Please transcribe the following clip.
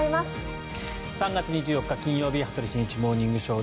３月２４日、金曜日「羽鳥慎一モーニングショー」。